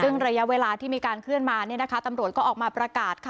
ซึ่งระยะเวลาที่มีการเคลื่อนมาตำรวจก็ออกมาประกาศค่ะ